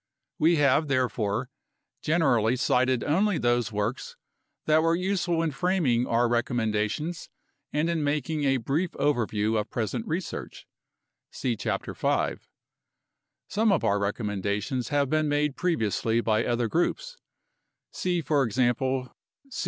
We have, therefore, generally cited only those works that were useful in framing our recommendations and in making a brief overview of present research (see Chapter 5). Some of our recommendations have been made previously by other groups [see, for example, C.